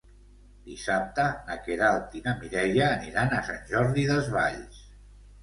Dissabte na Queralt i na Mireia aniran a Sant Jordi Desvalls.